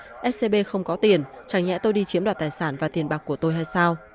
bị cáo nói scb không có tiền chẳng nhẽ tôi đi chiếm đoạt tài sản và tiền bạc của tôi hay sao